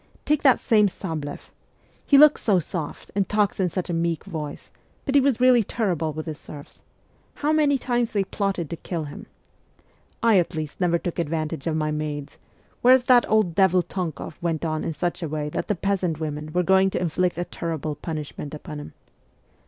' Take that same Sableff : he looks so soft, and talks in such a meek voice ; but he was really terrible with his serfs. How many times they plotted to kill him ! I, at least, never took advantage of my maids, whereas that old devil Tonkoff went on in such a way that the peasant women were going to inflict a terrible punish ment upon him.